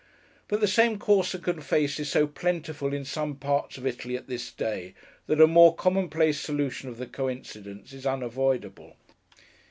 But the same Corsican face is so plentiful in some parts of Italy at this day, that a more commonplace solution of the coincidence is unavoidable.